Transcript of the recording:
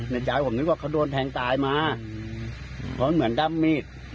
ในใจผมคิดว่าเขาโดนแทงตายมาเพราะเหมือนดับมีด